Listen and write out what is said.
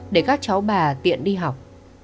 để các cháu bà tiện đi học